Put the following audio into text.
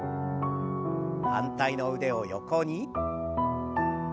反対の腕を横に。